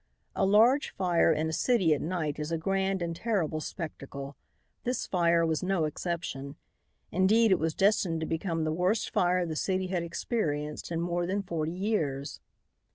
A large fire in a city at night is a grand and terrible spectacle. This fire was no exception. Indeed, it was destined to become the worst fire the city had experienced in more than forty years.